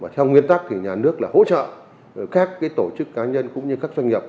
theo nguyên tắc thì nhà nước là hỗ trợ các tổ chức cá nhân cũng như các doanh nghiệp